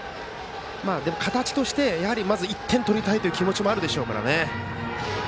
でも形としては１点取りたいという気持ちもあるでしょうからね。